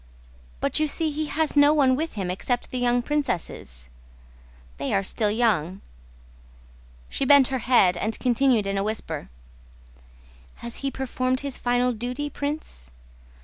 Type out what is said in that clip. but you see he has no one with him except the young princesses.... They are still young...." She bent her head and continued in a whisper: "Has he performed his final duty, Prince?